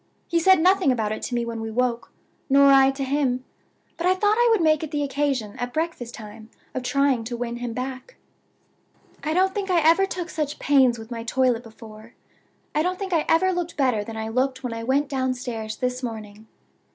He said nothing about it to me when we woke, nor I to him. But I thought I would make it the occasion, at breakfast time, of trying to win him back. "I don't think I ever took such pains with my toilet before. I don't think I ever looked better than I looked when I went downstairs this morning.